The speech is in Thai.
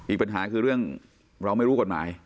อีกปัญหาคือเรื่องเราไม่รู้กฎหมาย